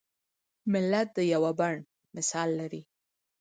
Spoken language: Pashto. ملت د یوه بڼ مثال لري.